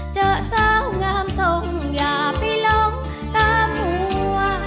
เจอสาวงามทรงอย่าไปหลงตาผัว